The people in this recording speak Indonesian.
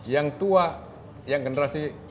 yang tua yang generasi